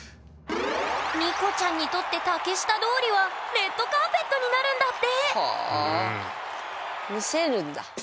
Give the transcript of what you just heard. ＮＩＣＯちゃんにとって竹下通りはレッドカーペットになるんだってはあみせるんだ。